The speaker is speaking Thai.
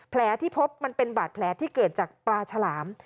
แผลที่พบมันเป็นบาดแผลที่เกิดจากปลาฉลาม